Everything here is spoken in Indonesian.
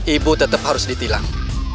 ibu tetep harus ditilang